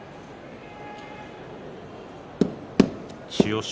千代翔